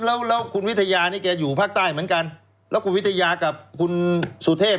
แล้วแล้วคุณวิทยานี่แกอยู่ภาคใต้เหมือนกันแล้วคุณวิทยากับคุณสุเทพ